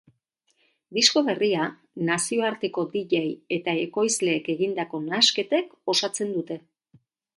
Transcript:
Disko berria nazioarteko dj eta ekoizleek egindako nahasketek osatzen dute.